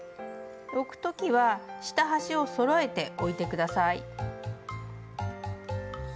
置くときは下端をそろえて置いてください。